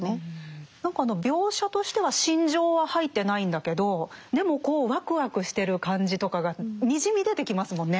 何かあの描写としては心情は入ってないんだけどでもこうワクワクしてる感じとかがにじみ出てきますもんね。